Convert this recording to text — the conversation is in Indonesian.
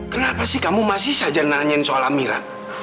kenapa sih kamu masih saja nanyain soal amira